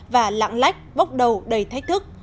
và lạng lách bóc đầu đầy thách thức